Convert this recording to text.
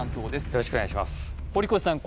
よろしくお願いします堀越さん